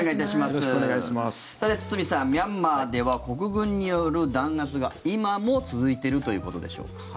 ミャンマーでは国軍による弾圧が今も続いているということでしょうか。